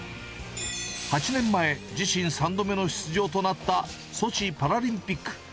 ８年前、自身３度目の出場となったソチパラリンピック。